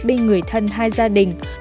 bên người thân hai gia đình